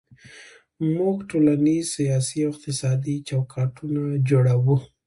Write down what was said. موږ ټولنیز، سیاسي او اقتصادي چوکاټونه جوړوو.